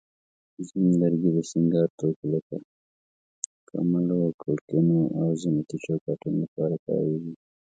ځینې لرګي د سینګار توکو لکه کملو، کړکینو، او زینتي چوکاټونو لپاره کارېږي.